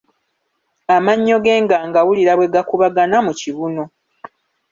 Amannyo ge nga ngawulira bwe gakubagana mu kibuno